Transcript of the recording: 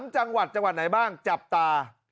จังหวัดจังหวัดไหนบ้างจับตา